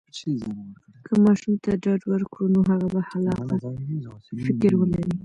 که ماشوم ته ډاډ ورکړو، نو هغه به خلاقه فکر ولري.